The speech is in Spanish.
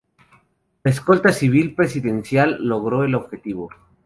La Escolta Civil Presidencial logró el objetivo.